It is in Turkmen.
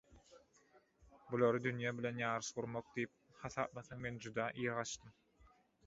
Bulary dünýe bilen ýaryş gurmak diýip hasaplasaň – men juda ir gaçdym.